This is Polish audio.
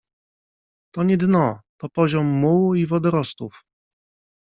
To nie dno. To poziom mułu i wodorostów.